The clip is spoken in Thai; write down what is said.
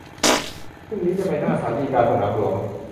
พรุ่งนี้จะไปหน้าศาลฎีกา สนามหลวง